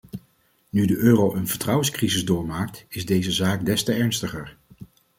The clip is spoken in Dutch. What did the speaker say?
Nu de euro een vertrouwenscrisis doormaakt is deze zaak des te ernstiger.